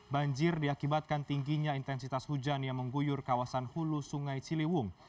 banjir diakibatkan tingginya intensitas hujan yang mengguyur kawasan hulu sungai ciliwung